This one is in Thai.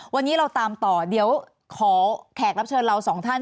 วันนี้เราตามต่อเดี๋ยวขอแขกรับเชิญเราสองท่าน